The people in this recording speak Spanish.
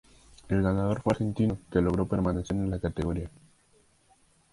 El ganador fue Argentino, que logró permanecer en la categoría.